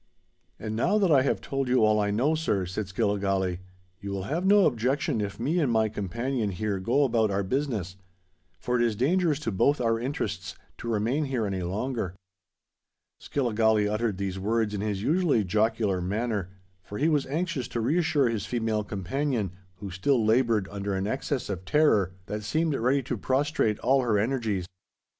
"And now that I have told you all I know, sir," said Skilligalee, "you will have no objection if me and my companion here go about our business; for it is dangerous to both our interests to remain here any longer." Skilligalee uttered these words in his usually jocular manner; for he was anxious to reassure his female companion, who still laboured under an excess of terror that seemed ready to prostrate all her energies.